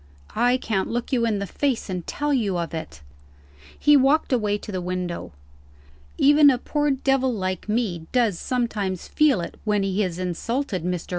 I can't look you in the face, and tell you of it." He walked away to the window. "Even a poor devil, like me, does sometimes feel it when he is insulted. Mr.